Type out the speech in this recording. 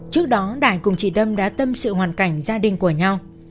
trước đó đại cùng chị tâm đã tâm sự hoàn cảnh gia đình của nhau